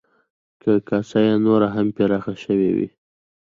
که کاسه یې نوره هم پراخه شوې وی،